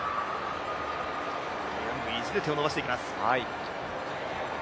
手を伸ばしていきます。